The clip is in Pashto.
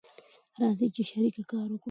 راځی په شریکه کار وکړو